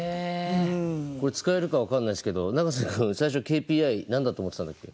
これ使えるか分かんないですけど永瀬君最初ＫＰＩ何だと思ってたんだっけ？